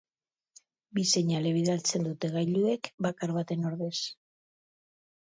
Bi seinale bidaltzen dute gailuek, bakar baten ordez.